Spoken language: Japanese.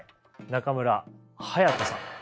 中村隼人さん。